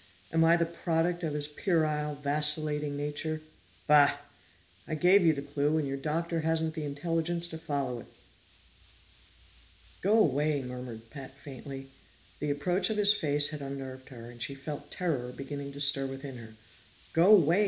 "Am I the product of his puerile, vacillating nature? Bah! I gave you the clue, and your Doctor hasn't the intelligence to follow it!" "Go away!" murmured Pat faintly. The approach of his face had unnerved her, and she felt terror beginning to stir within her. "Go away!"